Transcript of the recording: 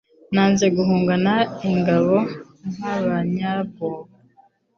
Nanze guhungana ingabo nk'abanyabwoba